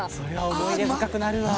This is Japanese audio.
思い出深くなるわ。